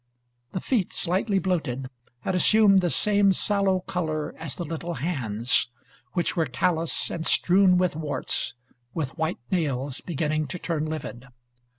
The feet, slightly bloated, had assumed the same sallow color as the little hands, which were callous and strewn with warts, with white nails beginning to turn livid.